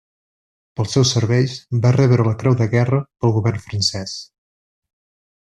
Pels seus serveis va rebre la Creu de Guerra pel govern francès.